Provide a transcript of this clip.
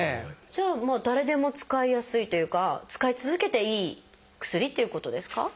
じゃあ誰でも使いやすいというか使い続けていい薬っていうことですか？